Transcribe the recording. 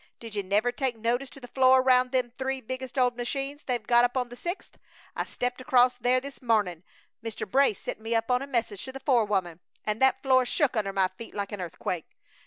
Did you never take notice to the floor roun' them three biggest old machines they've got up on the sixth? I stepped acrost there this mornin' Mr. Brace sent me up on a message to the forewoman an' that floor shook under my feet like a earthquake!